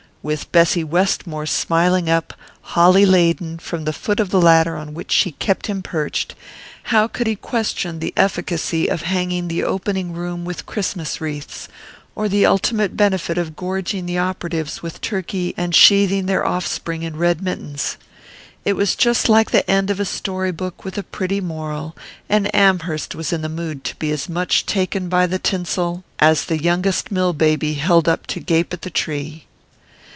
With Bessy Westmore smiling up, holly laden, from the foot of the ladder on which she kept him perched, how could he question the efficacy of hanging the opening room with Christmas wreaths, or the ultimate benefit of gorging the operatives with turkey and sheathing their offspring in red mittens? It was just like the end of a story book with a pretty moral, and Amherst was in the mood to be as much taken by the tinsel as the youngest mill baby held up to gape at the tree.